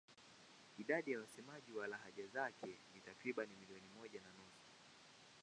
Idadi ya wasemaji wa lahaja zake ni takriban milioni moja na nusu.